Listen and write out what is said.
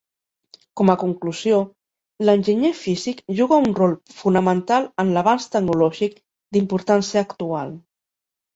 Com a conclusió, l'enginyer físic juga un rol fonamental en l'avanç tecnològic d'importància actual.